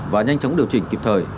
và nhanh chóng điều chỉnh kịp thời